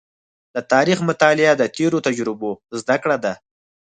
د تاریخ مطالعه د تېرو تجربو زده کړه ده.